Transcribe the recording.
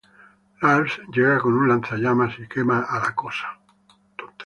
Lars llega con un lanzallamas y quema a la Cosa.